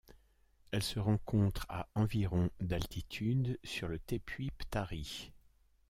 Elle se rencontre à environ d'altitude sur le tepuy Ptari.